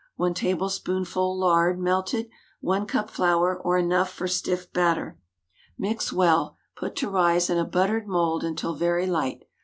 1 tablespoonful lard, melted. 1 cup flour, or enough for stiff batter. Mix well, put to rise in a buttered mould until very light.